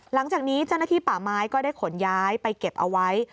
หลังจากนี้เจ้าหน้าที่ป่าไม้ก็ได้ขนย้ายไปเก็บเอาไว้